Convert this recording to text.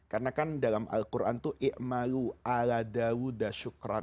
karena kan dalam al quran itu